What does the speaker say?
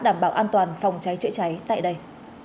đảm bảo an toàn phòng cháy chữa cháy tại đây